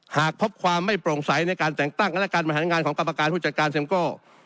หากพบความไม่โปร่งใสในการแต่งตั้งคณะการบริหารงานของกรรมการผู้จัดการเซ็มโก้